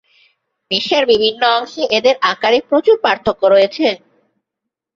বিশ্বের বিভিন্ন অংশে এদের আকারে প্রচুর পার্থক্য রয়েছে।